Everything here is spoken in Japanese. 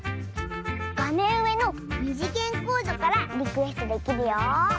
がめんうえのにじげんコードからリクエストできるよ！